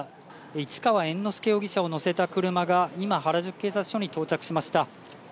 市川猿之助容疑者を乗せた車が今、原宿警察署に到着しました。